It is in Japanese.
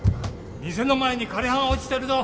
店の前に枯れ葉が落ちてるぞ。